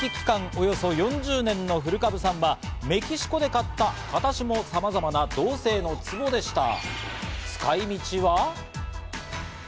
およそ４０年の古株さんはメキシコで買った形もさまざまな銅製のツボでした。